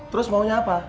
terus maunya apa